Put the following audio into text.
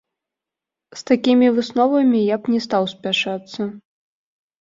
З такімі высновамі я б не стаў спяшацца.